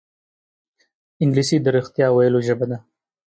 انګلیسي د رښتیا ویلو ژبه ده